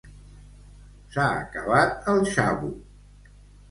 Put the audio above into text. S'ha acabat el xavo!